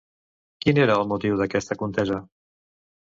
Quin era el motiu d'aquesta contesa?